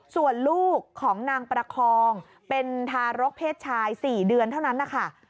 ส่วนลูกของนางประคองเป็นทารกเพศชาย๔เดือนเท่านั้นนะคะ